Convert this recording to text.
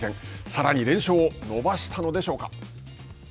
さらに連勝を伸ばしたのでしょう１０